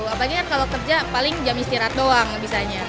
apalagi kan kalau kerja paling jam istirahat doang bisanya